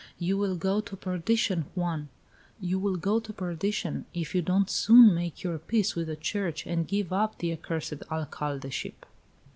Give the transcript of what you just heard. You will go to perdition, Juan, you will go to perdition, if you don't soon make your peace with the church and give up the accursed alcaldeship!"